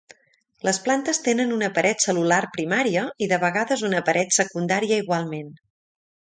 Les plantes tenen una paret cel·lular primària, i de vegades una paret secundària igualment.